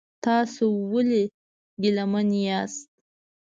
تاسو ولې ګیلمن یاست؟